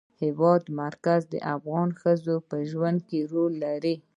د هېواد مرکز د افغان ښځو په ژوند کې رول لري.